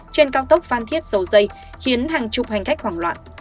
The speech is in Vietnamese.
trên cao tốc phan thiết dầu dây khiến hàng chục hành khách hoảng loạn